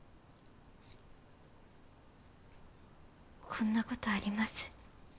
こんなことあります？